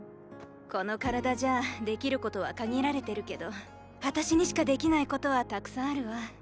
この体じゃできることは限られてるけどあたしにしかできないことは沢山あるわ。